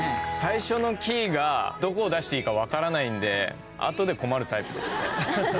最初のキーがどこを出していいか分からないんで後で困るタイプ。